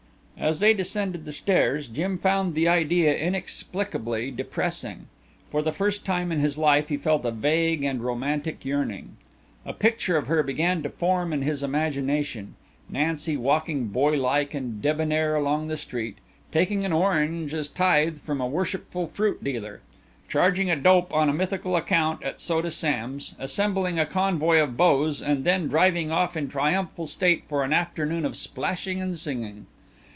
As they descended the stairs Jim found the idea inexplicably depressing. For the first time in his life he felt a vague and romantic yearning. A picture of her began to form in his imagination Nancy walking boylike and debonnaire along the street, taking an orange as tithe from a worshipful fruit dealer, charging a dope on a mythical account at Soda Sam's, assembling a convoy of beaux and then driving off in triumphal state for an afternoon of splashing and singing.